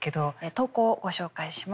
投稿をご紹介します。